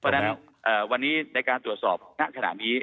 เพราะฉะนั้นวันนี้ในการตรวจสอบณขณะนี้